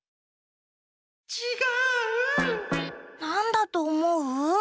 なんだとおもう？